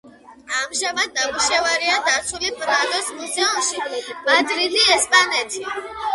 ამჟამად ნამუშევარია დაცულია პრადოს მუზეუმში, მადრიდი, ესპანეთი.